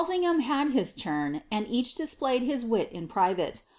gham had his turn, and each displayed his wit in private.